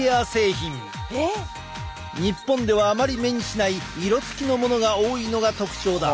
日本ではあまり目にしない色つきのものが多いのが特徴だ。